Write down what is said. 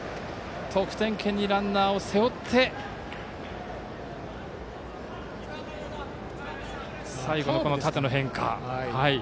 得点圏にランナーを背負って最後の縦の変化。